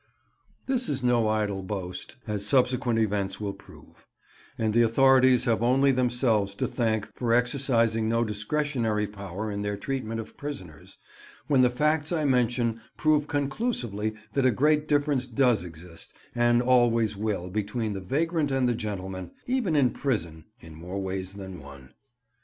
This is no idle boast, as subsequent events will prove; and the authorities have only themselves to thank for exercising no discretionary power in their treatment of prisoners, when the facts I mention prove conclusively that a great difference does exist and always will between the vagrant and the gentleman, even in prison, in more ways than one.